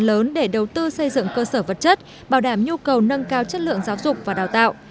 lớn để đầu tư xây dựng cơ sở vật chất bảo đảm nhu cầu nâng cao chất lượng giáo dục và đào tạo